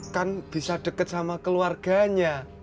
kan bisa dekat sama keluarganya